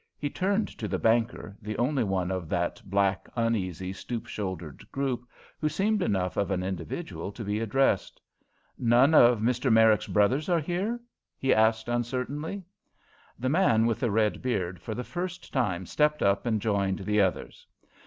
He turned to the banker, the only one of that black, uneasy, stoop shouldered group who seemed enough of an individual to be addressed. "None of Mr. Merrick's brothers are here?" he asked uncertainly. The man with the red beard for the first time stepped up and joined the others.